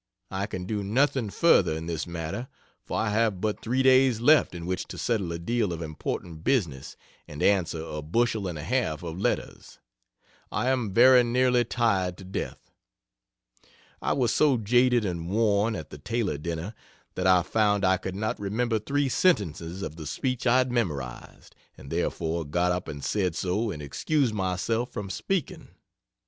I can do nothing further in this matter, for I have but 3 days left in which to settle a deal of important business and answer a bushel and a half of letters. I am very nearly tired to death. I was so jaded and worn, at the Taylor dinner, that I found I could not remember 3 sentences of the speech I had memorized, and therefore got up and said so and excused myself from speaking.